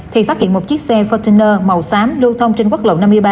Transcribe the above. thì phát hiện một chiếc xe container màu xám lưu thông trên quốc lộ năm mươi ba